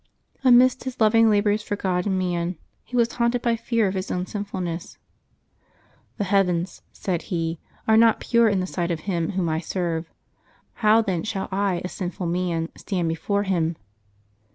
Amidst his loving labors for God and man, he was haunted by fear of his own sinfulness. " The heavens," said he, " are not, pure in the sight of Him Whom I serve ; how then shall I, a sinful man, stand before Him?"